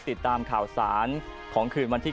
ติดตามข่าวสารของคืนวันที่๑